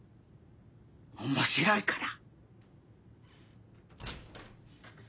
面白いから。